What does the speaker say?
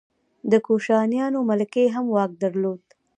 د کوشانیانو ملکې هم واک درلود